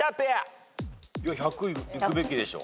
１００いくべきでしょ。